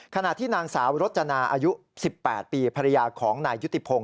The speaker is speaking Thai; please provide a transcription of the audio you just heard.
ขณะที่นางสาวรจนาอายุ๑๘ปีภรรยาของนายยุติพงศ